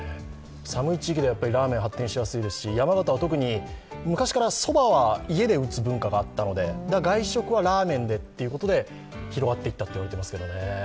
寒い地域ではラーメンが発展しやすいですし山形は特に昔からそばは家で打つ文化があったので外食はラーメンでっていうことで広がっていったといわれてますけどね。